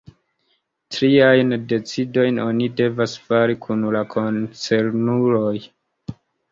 Tiajn decidojn oni devas fari kun la koncernuloj.